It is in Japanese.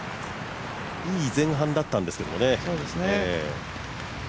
いい前半だったんですけどね。